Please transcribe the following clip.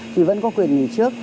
thì vẫn có quyền nghỉ trước